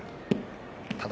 ただ